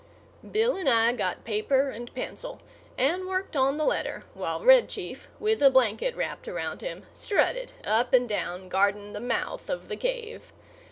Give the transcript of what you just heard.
Bill and I got paper and pencil and worked on the letter while Red Chief, with a blanket wrapped around him, strutted up and down, guarding the mouth of the cave.